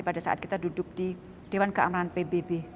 pada saat kita duduk di dewan keamanan pbb